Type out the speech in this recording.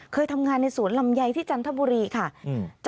เคยทำงานในสวนลำไยที่จันทบุรีค่ะอืม